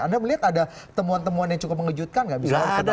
anda melihat ada temuan temuan yang cukup mengejutkan tidak